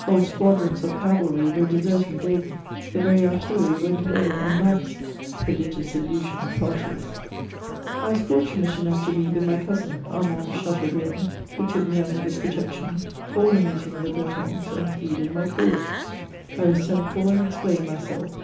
Whole squadrons of cavalry were deseri* ing daily ; the very artillery went away en masse" ProdigpLous illusion of parties ! I was fortimate enough to meet with my cousin, Armand de Chateaubriand, who took me under his protection, called a meeting of the Bretons, and pleaded my cause. I was sent for, and explained myself.